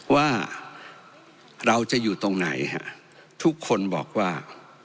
ว่าเราจะอยู่ตรงไหนฮะทุกคนบอกว่า